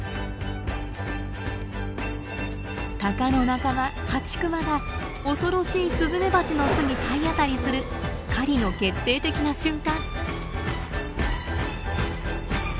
タカの仲間ハチクマが恐ろしいスズメバチの巣に体当たりする狩りの決定的な瞬間。